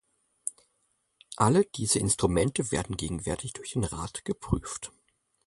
Alle diese Instrumente werden gegenwärtig durch den Rat geprüft.